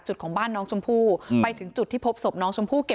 จุดของบ้านน้องชมพู่ไปถึงจุดที่พบศพน้องชมพู่เก็บ